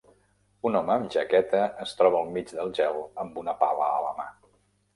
Un home amb jaqueta es troba al mig del gel amb una pala a la mà.